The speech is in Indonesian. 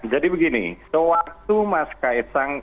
jadi begini sewaktu mas ksang